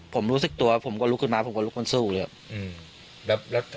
ผมรู้สึกตัวผมก็ลุกขึ้นมาผมก็ลุกขึ้นสู้เลยครับ